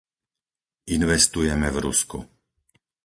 Investujeme v Rusku.